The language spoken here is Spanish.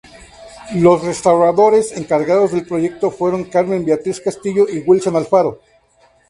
Los restauradores encargados del proyecto fueron Carmen Beatriz Castillo y Willson Alfaro.